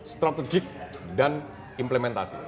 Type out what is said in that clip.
strategik dan implementasi